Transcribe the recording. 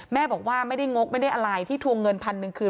แม่บอกว่าไม่ได้งกไม่ได้อะไรที่ทวงเงินพันหนึ่งคืน